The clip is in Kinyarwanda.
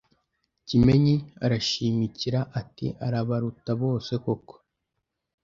Kimenyi arashimikira ati ”Arabaruta bose koko